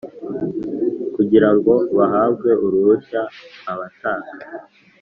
Kugira ngo bahabwe uruhushya abatanga